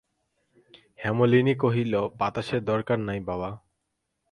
হেমনলিনী কহিল, বাতাসের দরকার নাই বাবা!